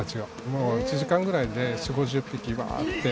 もう１時間ぐらいで４０５０匹ワーッて。